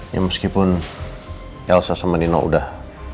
ya meskipun elsa sama nino udah